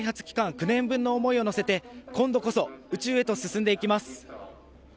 ９年分の思いを乗せて、今度こそ宇宙へと進んでいきます。